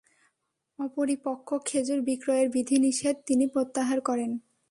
অপরিপক্ক খেজুর বিক্রয়ের বিধি-নিষেধ তিনি প্রত্যাহার করেন।